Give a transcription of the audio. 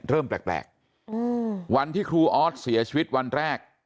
เริ่มแปลกวันที่ครูออสเสียชีวิตวันแรก